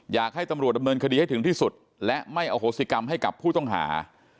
อยากให้ตำรวจดำเนินคดีให้ถึงที่สุดและไม่อโหสิกรรมให้กับผู้ต้องหา